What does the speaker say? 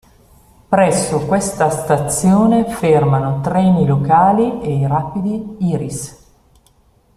Presso questa stazione fermano treni locali e i rapidi "Iris".